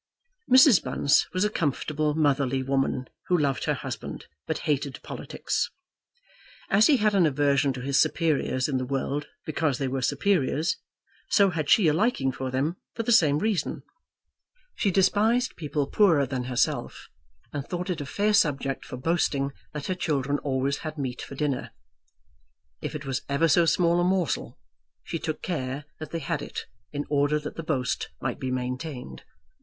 Mrs. Bunce was a comfortable motherly woman, who loved her husband but hated politics. As he had an aversion to his superiors in the world because they were superiors, so had she a liking for them for the same reason. She despised people poorer than herself, and thought it a fair subject for boasting that her children always had meat for dinner. If it was ever so small a morsel, she took care that they had it, in order that the boast might be maintained.